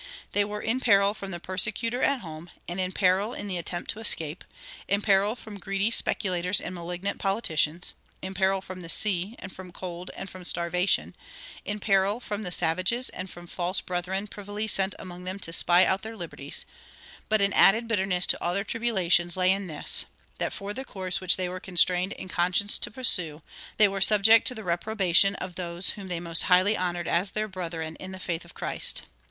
They were in peril from the persecutor at home and in peril in the attempt to escape; in peril from greedy speculators and malignant politicians; in peril from the sea and from cold and from starvation; in peril from the savages and from false brethren privily sent among them to spy out their liberties; but an added bitterness to all their tribulations lay in this, that, for the course which they were constrained in conscience to pursue, they were subject to the reprobation of those whom they most highly honored as their brethren in the faith of Christ.